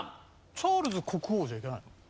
チャールズ国王じゃいけないの？